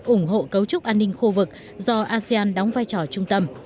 ủng hộ cấu trúc an ninh khu vực do asean đóng vai trò trung tâm